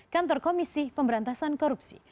kantor komisi pemberantasan korupsi